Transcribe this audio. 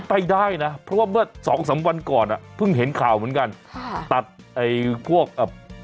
ไปได้นะเพราะว่าเมื่อสองสามวันก่อนอ่ะเพิ่งเห็นข่าวเหมือนกันค่ะตัดไอ้พวกอ่ะ